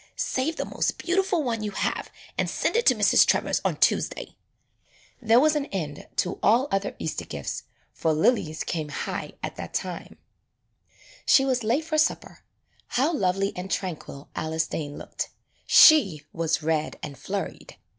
"Save the most beautiful one you have, and send it to Mrs. Trevor's on Tuesday." There was an end to all other Easter gifts, for lilies came high at that time. [ 23 ] 'AN EASTER LILY She was late for supper. How lovely and tranquil Alice Dane looked. She was red and flurried.